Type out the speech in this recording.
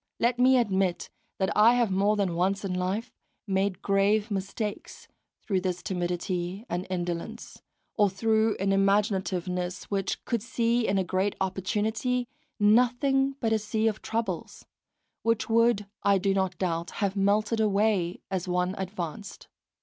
Let me admit that I have more than once in life made grave mistakes through this timidity and indolence, or through an imaginativeness which could see in a great opportunity nothing but a sea of troubles, which would, I do not doubt, have melted away as one advanced.